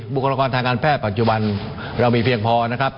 บุคลากรทางการแพทย์ปัจจุบันเรามีเพียงพอนะครับ